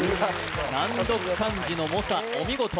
難読漢字の猛者お見事